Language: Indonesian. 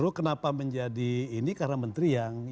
justru kenapa menjadi ini karena menteri yang ngomong